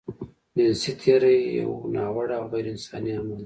جنسي تېری يو ناوړه او غيرانساني عمل دی.